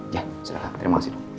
ya sudah terima kasih dok